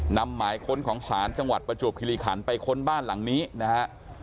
หมายค้นของศาลจังหวัดประจวบคิริขันไปค้นบ้านหลังนี้นะฮะ